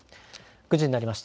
９時になりました。